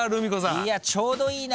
いやちょうどいいな。